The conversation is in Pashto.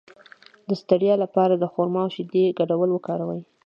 د ستړیا لپاره د خرما او شیدو ګډول وکاروئ